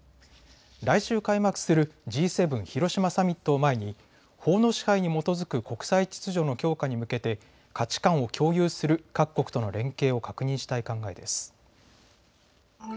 来週開幕するＧ７広島サミットを前に法の支配に基づく国際秩序の強化に向けて価値観を共有する各国との連携を確認したい考えです。